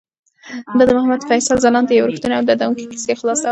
دا د محمد فیصل ځلاند د یوې رښتونې او دردونکې کیسې خلاصه وه.